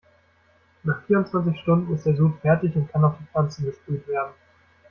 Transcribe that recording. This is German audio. Nach vierundzwanzig Stunden ist der Sud fertig und kann auf die Pflanzen gesprüht werden.